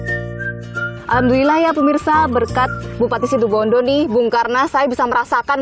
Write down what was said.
alhamdulillah ya pemirsa berkat bupati situbondo nih bung karna saya bisa merasakan